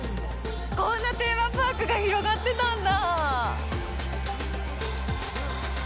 こんなテーマパークが広がってたんだあ。